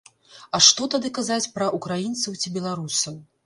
А што тады казаць пра ўкраінцаў ці беларусаў?